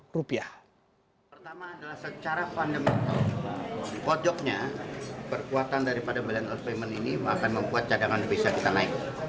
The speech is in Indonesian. pertama adalah secara fundamental pojoknya perkuatan daripada balance of payment ini akan membuat cadangan bisa kita naik